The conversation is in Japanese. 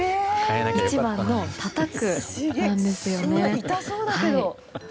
１番の、たたくなんです。